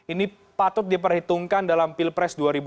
ini patut diperhitungkan dalam pilpres dua ribu dua puluh